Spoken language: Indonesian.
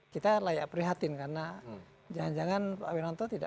kita layak prihatin karena jangan jangan pak wiranto tidak